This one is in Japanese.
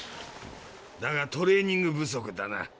だがトレーニング不足だな。